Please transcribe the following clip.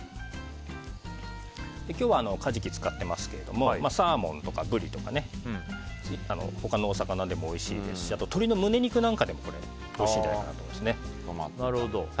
今日はカジキを使ってますけどサーモンとかブリとか他のお魚でもおいしいですし鶏の胸肉なんかでもおいしいんじゃないかなと思います。